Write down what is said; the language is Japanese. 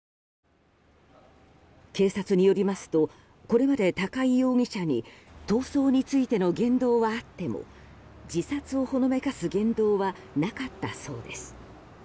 警察によりますとこれまで高井容疑者に逃走についての言動はあっても自殺をほのめかす言動はなかったそうです。